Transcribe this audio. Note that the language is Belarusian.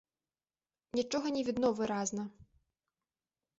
Нічога не відно выразна.